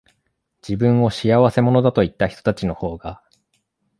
自分を仕合せ者だと言ったひとたちのほうが、